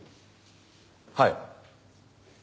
はい。